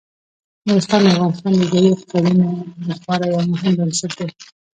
نورستان د افغانستان د ځایي اقتصادونو لپاره یو مهم بنسټ دی.